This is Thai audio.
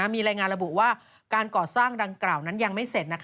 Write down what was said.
มีรายงานระบุว่าการก่อสร้างดังกล่าวนั้นยังไม่เสร็จ